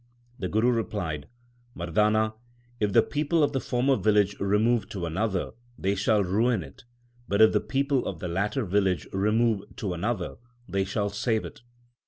The Guru replied, Mardana, if the people of the former village remove to another, they shall ruin it ; but if the people of the latter village remove to another, they shall save it.